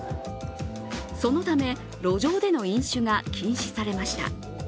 そのため路上での飲酒が禁止されました。